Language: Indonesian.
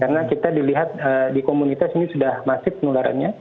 karena kita dilihat di komunitas ini sudah masih penularannya